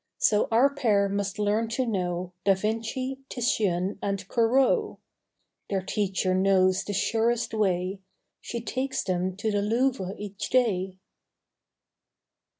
So our pair must learn to know Da Vinci, Titian and Corot. Their teacher knows the surest way: She takes them to the Louvre each day.